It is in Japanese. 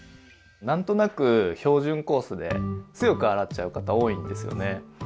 何となく標準コースで強く洗っちゃう方多いんですよね。